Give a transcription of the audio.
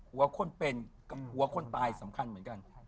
หัวคนเป็นกับหัวคนตายสำคัญเหมือนกัน